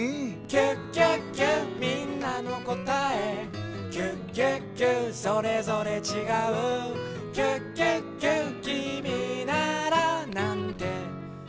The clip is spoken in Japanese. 「キュキュキュみんなのこたえ」「キュキュキュそれぞれちがう」「キュキュキュきみならなんてこたえるの？」